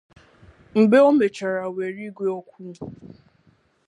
Mgbe o mechara were igwe okwu